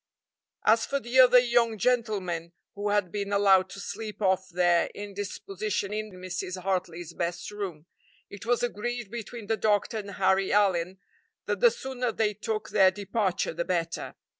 As for the other young gentlemen, who had been allowed to sleep off their indisposition in Mrs. Hartley's best room, it was agreed between the doctor and Harry Allyn that the sooner they took their departure the better.